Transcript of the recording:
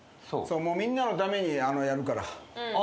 みんなのためにやるから。